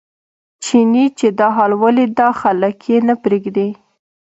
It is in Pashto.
چیني چې دا حال ولیده خلک یې نه پرېږدي.